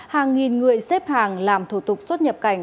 hàng nghìn người xếp hàng làm thủ tục xuất nhập cảnh